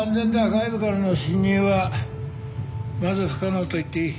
外部からの侵入はまず不可能と言っていい。